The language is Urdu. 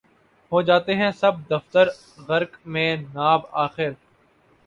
ہو جاتے ہیں سب دفتر غرق مے ناب آخر